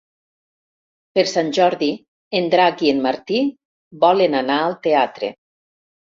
Per Sant Jordi en Drac i en Martí volen anar al teatre.